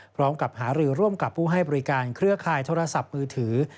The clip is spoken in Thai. พร้อมกับหารือร่วมกับผู้ให้บริการเครือข่ายโทรศัพท์มือถือ